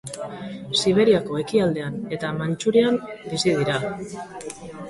Siberiako ekialdean eta Mantxurian bizi dira.